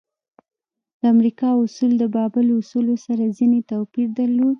د امریکا اصول د بابل اصولو سره ځینې توپیر درلود.